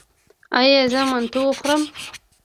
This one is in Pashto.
ایا زه منتو وخورم؟